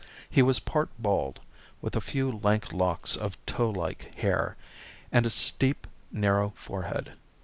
He was part bald, with a few lank locks of tow like hair, and a steep, narrow forehead.